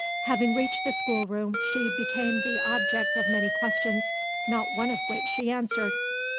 Having reached the schoolroom, she became the object of many questions not one of which she answered.